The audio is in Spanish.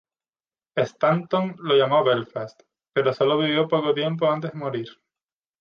Stanton lo llamó "Belfast", pero solo vivió allí poco tiempo antes de morir.